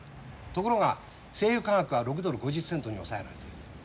ところが製油価格は６ドル５０セントに抑えられている。